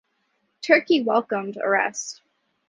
Turkey welcomed arrests.